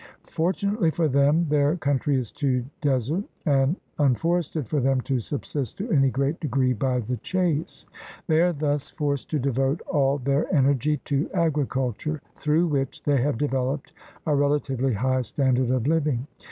For tunately for them, their country is too desert and unforested for them to subsist to any great degree by the chase. They are thus forced to devote all 148 THE RED IVIAN'S CONTINENT their energy to agriculture, through which they have developed a relatively high standard of living.